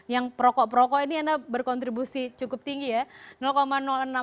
yang perokok perokok ini anda berkontribusi cukup tinggi ya